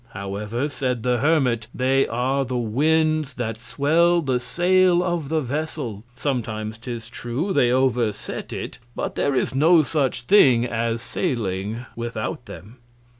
However, said the Hermit, they are the Winds that swell the Sail of the Vessel. Sometimes, 'tis true, they overset it; but there is no such Thing as sailing without them.